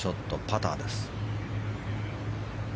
パターです。